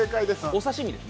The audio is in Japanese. お刺身です。